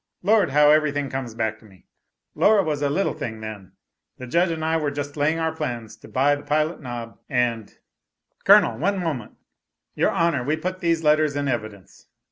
Lord, how everything comes back to me. Laura was a little thing then. 'The Judge and I were just laying our plans to buy the Pilot Knob, and " "Colonel, one moment. Your Honor, we put these letters in evidence."